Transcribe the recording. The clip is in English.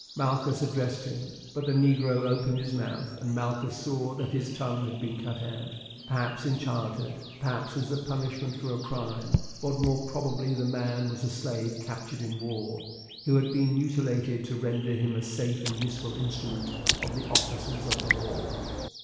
Malchus addressed him; but the negro opened his mouth, and Malchus saw that his tongue had been cut out, perhaps in childhood, perhaps as a punishment for a crime; but more probably the man was a slave captured in war, who had been mutilated to render him a safe and useful instrument of the officers of the law.